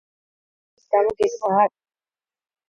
ნაგებობის ძლიერი დაზიანების გამო გეგმა არ იკითხება.